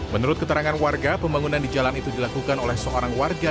menurut keterangan warga pembangunan di jalan itu dilakukan oleh seorang warga